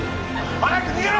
早く逃げろ！